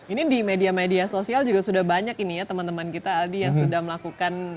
ini di media media sosial juga sudah banyak ini ya teman teman kita aldi yang sudah melakukan